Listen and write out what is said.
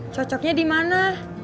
cocoknya di mana